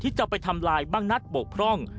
จะไปทำลายบ้างนัดบกพร่อง